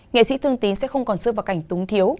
nghệ sĩ thương tín sẽ không còn rơi vào cảnh túng thiếu